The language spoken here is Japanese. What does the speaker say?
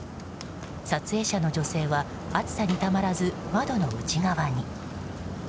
撮影者の女性は、暑さにたまらず窓の内側に。